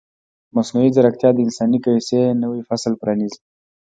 مصنوعي ځیرکتیا د انساني کیسې نوی فصل پرانیزي.